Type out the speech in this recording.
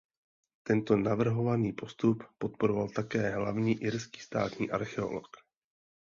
Tento navrhovaný postup podporoval také hlavní irský státní archeolog.